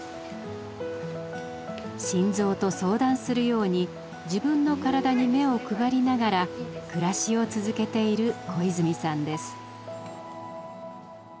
心臓と相談するように自分の身体に目を配りながら暮らしを続けている小泉さんです。